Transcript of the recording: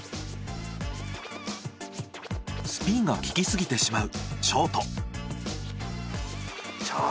スピンが効きすぎてしまうショート。